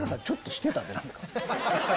ちょっとしてたで。